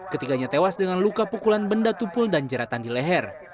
ketiganya tewas dengan luka pukulan benda tumpul dan jeratan di leher